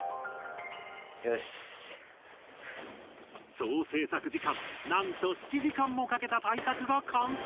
総制作時間なんと７時間もかけた大作が完成！